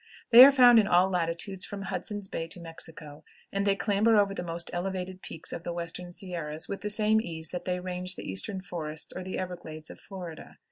They are found in all latitudes from Hudson's Bay to Mexico, and they clamber over the most elevated peaks of the western sierras with the same ease that they range the eastern forests or the everglades of Florida.